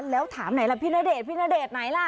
แล้วถามไหนล่ะพี่ณเดชน์ไหนล่ะ